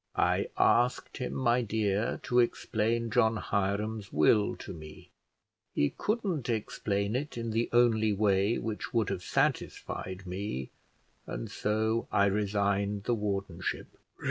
"I asked him, my dear, to explain John Hiram's will to me. He couldn't explain it in the only way which would have satisfied me, and so I resigned the wardenship."